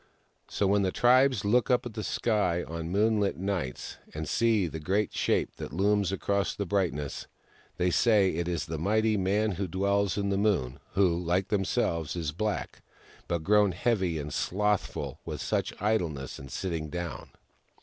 So, when the tribes look up to the sky on moonht nights and see the great shape that looms across the brightness, they say it is the mighty Man Who D wells in The Moon ; who, Hke themselves, is black, but grown heavy and slothful with much idleness and sitting down.